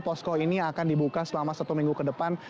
posko ini akan dibuka selama satu minggu ke depan